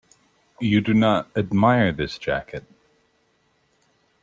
You do not admire this jacket?